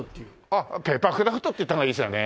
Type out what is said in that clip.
あっペーパークラフトって言った方がいいですよね。